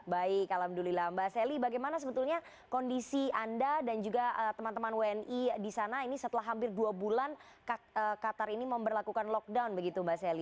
baik alhamdulillah mbak sally bagaimana sebetulnya kondisi anda dan juga teman teman wni di sana ini setelah hampir dua bulan qatar ini memperlakukan lockdown begitu mbak sally